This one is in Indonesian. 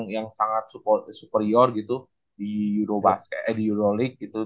yang sangat superior gitu di euroleague